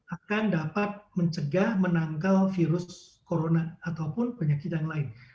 akan dapat mencegah menangkal virus corona ataupun penyakit yang lain